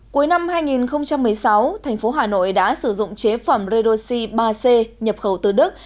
cuối năm hai nghìn một mươi sáu thành phố hà nội đã sử dụng chế phẩm redoxi ba c nhập khẩu từ đức